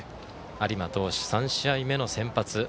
有馬投手、３試合目の先発。